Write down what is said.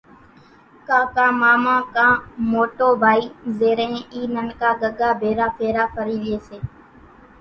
ڪاڪا، ماما ڪان موٽو ڀائي زيرين اِي ننڪا ڳڳا ڀيرا ڦيرا ڦري لئي سي۔